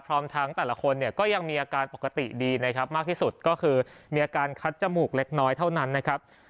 พร้อมทั้งแต่ละคนเนี่ยก็ยังมีอาการปกติดีนะครับมากที่สุดก็คือมีอาการคัดจมูกเล็กน้อยเท่านั้นนะครับ